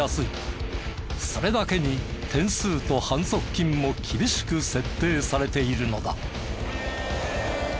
それだけに点数と反則金も厳しく設定されているのだ。